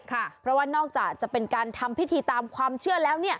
เพราะว่านอกจากจะเป็นการทำพิธีตามความเชื่อแล้ว